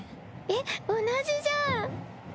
えっ同じじゃん。